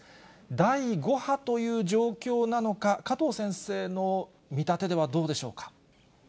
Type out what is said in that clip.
第５波という状況なのか、加藤先生の見立てではどうでしょうか。